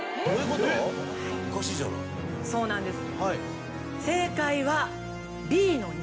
実はそうなんです。